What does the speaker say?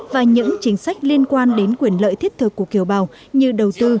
và những chính sách liên quan đến quyền lợi thiết thực của kiều bào như đầu tư